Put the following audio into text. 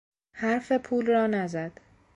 حرف پول را نزد.